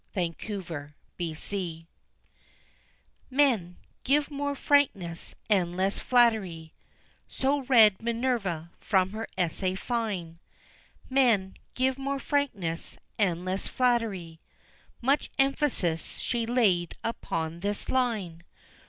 Minerva's Essay "Men, give more frankness and less flattery," So read Minerva from her essay fine. "Men, give more frankness and less flattery," Much emphasis she laid upon this line.